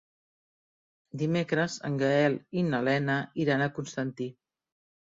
Dimecres en Gaël i na Lena iran a Constantí.